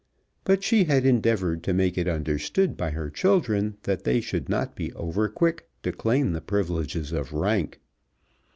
But she had endeavoured to make it understood by her children that they should not be over quick to claim the privileges of rank.